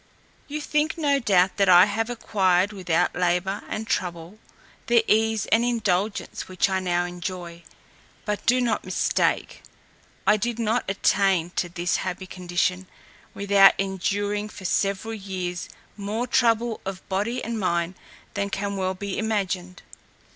You think, no doubt, that I have acquired, without labour and trouble, the ease and indulgence which I now enjoy. But do not mistake; I did not attain to this happy condition, without enduring for several years more trouble of body and mind than can well be imagined.